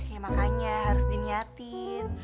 ya makanya harus diniatin